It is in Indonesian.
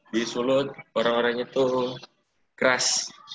di sulut orang orangnya tuh keras